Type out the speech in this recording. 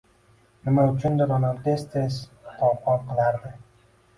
Nima uchundir onam tez-tez tolqon qilardi.